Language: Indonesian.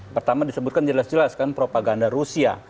pertama disebutkan jelas jelas kan propaganda rusia